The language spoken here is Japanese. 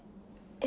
え？